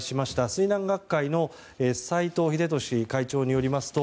水難学会の斎藤秀俊会長によりますと